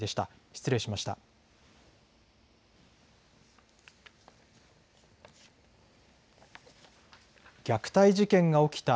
失礼しました。